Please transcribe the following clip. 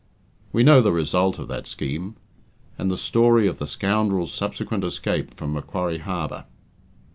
We know the result of that scheme, and the story of the scoundrel's subsequent escape from Macquarie Harbour.